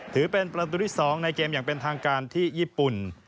ถือเป็นประตูที่๒ในเกมอย่างเป็นทางการที่ญี่ปุ่น